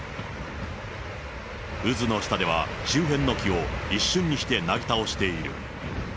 渦の下では、周辺の木を一瞬にしてなぎ倒している。